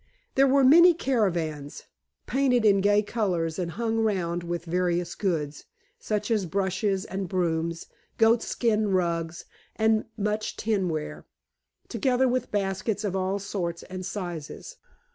There were many caravans, painted in gay colors and hung round with various goods, such as brushes and brooms, goat skin rugs, and much tinware, together with baskets of all sorts and sizes.